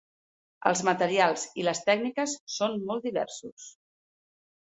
Els materials i les tècniques són molt diversos.